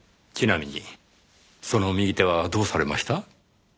ちなみにその右手はどうされました？